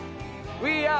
ウィー・アー？